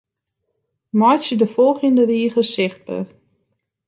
Meitsje de folgjende rige sichtber.